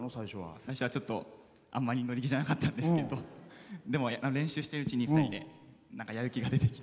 最初は乗り気じゃなかったんですけどでも、練習しているうちに２人でやる気が出てきて。